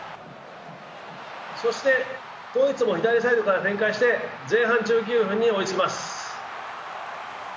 そしてドイツも左サイドから展開して、前半１９分に追いつきます。